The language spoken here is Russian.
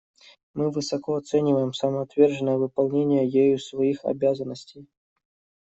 Мы высоко оцениваем самоотверженное выполнение ею своих обязанностей.